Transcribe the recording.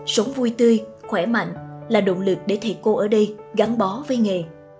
sống vui tươi khỏe mạnh là động lực để thầy cô ở đây gắn bó với nghề